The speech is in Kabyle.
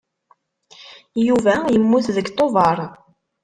Yuba yemmut deg Tubeṛ.